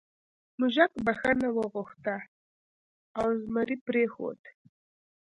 موږک بخښنه وغوښته او زمري پریښود.